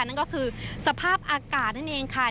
นั่นก็คือสภาพอากาศนั่นเองค่ะ